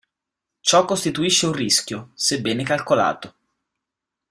Ciò costituisce un rischio, sebbene calcolato.